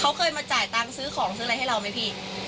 เขาเคยมาจ่ายเงินซื้อของให้เราไม่พี่